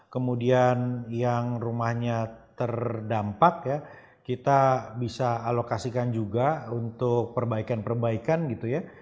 kemudian yang rumahnya terdampak ya kita bisa alokasikan juga untuk perbaikan perbaikan gitu ya